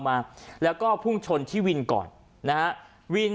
ก็แค่มีเรื่องเดียวให้มันพอแค่นี้เถอะ